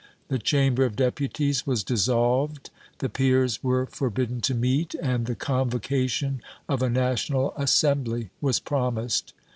The Chamber of Deputies was dissolved, the Peers were forbidden to meet, and the convocation of a National Assembly was promised.